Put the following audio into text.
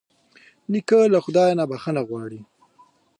نیکه له خدای نه بښنه غواړي.